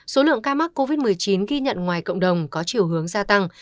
số lượng ca mắc covid một mươi chín ghi nhận ngoài cộng đồng có chiều hướng gia tăng